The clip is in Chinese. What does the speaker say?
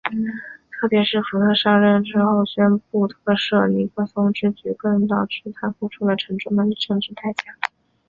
特别是福特上任后宣布特赦尼克松之举更导致他付出了沉重的政治代价。